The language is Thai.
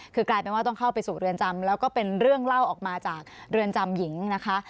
คือกลายเป็นว่าต้องเข้าไปสู่เรือนจำแล้วก็เป็นเรื่องเล่าออกมาจากเรือนจำหญิงนะคะ